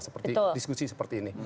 seperti diskusi seperti ini